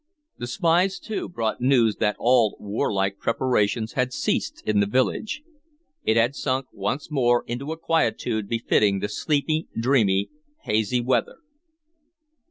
The spies, too, brought news that all war like preparations had ceased in the village. It had sunk once more into a quietude befitting the sleepy, dreamy, hazy weather.